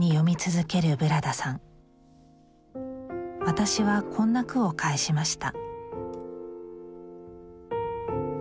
私はこんな句を返しました